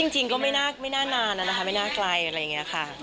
จริงก็ไม่น่านานนะคะไม่น่าไกลอะไรอย่างนี้ค่ะ